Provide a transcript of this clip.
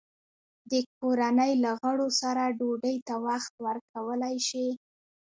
د کورنۍ له غړو سره ډوډۍ ته وخت ورکول شي؟